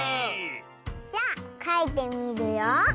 じゃあかいてみるよ。